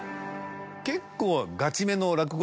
結構。